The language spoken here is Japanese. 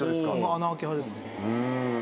穴開け派ですね。